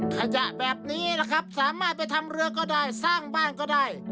ขยะแบบนี้ล่ะครับสามารถไปทำเรือก็ได้สร้างบ้านก็ได้